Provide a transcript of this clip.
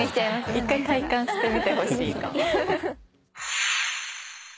１回体感してみてほしい。